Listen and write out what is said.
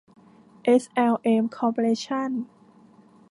เอส แอล เอ็ม คอร์ปอเรชั่น